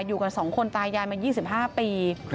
อยู่กันสองคนตายย่านใน๒๕ปี